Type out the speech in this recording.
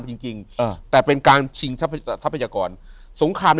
อยู่ที่แม่ศรีวิรัยิลครับ